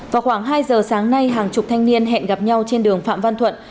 vào khoảng hai giờ sáng nay hàng chục thanh niên hẹn gặp nhau trên đường phạm văn thuận